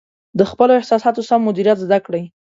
د خپلو احساساتو سم مدیریت زده کړئ.